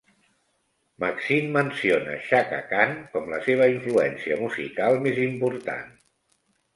Maxine menciona Chaka Khan com la seva influència musical més important.